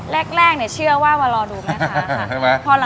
แรกเนี่ยเชื่อว่ามารอดูแม่ค้าค่ะ